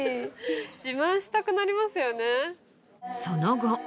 その後。